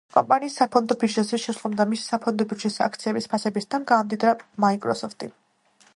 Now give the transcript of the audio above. კომპანიის საფონდო ბირჟაზე შესვლამ და მისი საფონდო ბირჟის აქციების ფასების ზრდამ, გაამდიდრა მაიკროსოფტი.